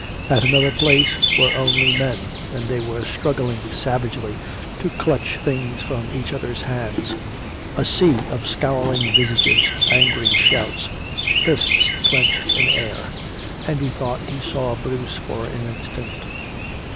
At another place were only men, and they were struggling savagely to clutch things from each other's hands. A sea of scowling visages, angry shouts, fists clinched in air. And he thought he saw Bruce for an instant.